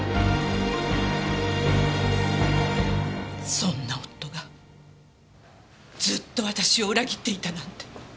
そんな夫がずっと私を裏切っていたなんて。